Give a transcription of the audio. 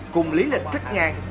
cùng lý lịch trích ngang